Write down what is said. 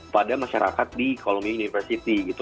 pada masyarakat di columbia university gitu